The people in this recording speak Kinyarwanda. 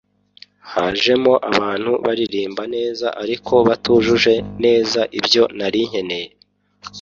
hajemo abantu baririmba neza ariko batujuje neza ibyo nari nkeneye